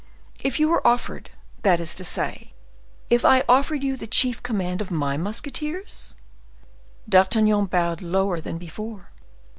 If you were offered, that is to say, if I offered you the chief command of my musketeers?" D'Artagnan bowed lower than before.